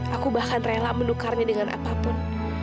aku bahkan rela menukarnya dengan apapun